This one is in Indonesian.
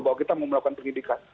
bahwa kita mau melakukan penyidikan